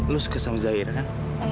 lo suka sama zahira kan